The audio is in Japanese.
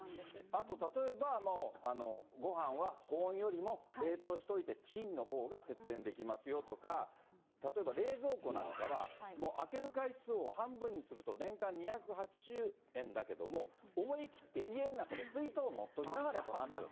あと例えば、ごはんは保温よりも冷凍しておいてチンのほうが節電できますよとか、例えば冷蔵庫なんかは、開ける回数を半分にすると、年間２８０円だけども、思い切って家ん中で、水筒もっときなはれと、夏。